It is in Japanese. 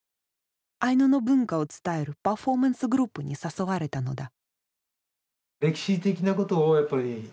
アイヌの文化を伝えるパフォーマンスグループに誘われたのだ。